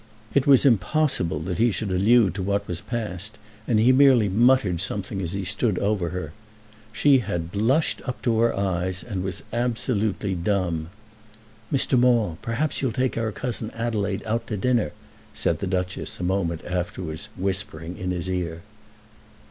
It was impossible that he should allude to what was past, and he merely muttered something as he stood over her. She had blushed up to her eyes, and was absolutely dumb. "Mr. Maule, perhaps you'll take our cousin Adelaide out to dinner," said the Duchess, a moment afterwards, whispering in his ear.